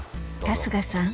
春日さん